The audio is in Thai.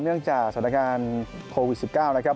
เนื่องจากสถานการณ์โควิด๑๙นะครับ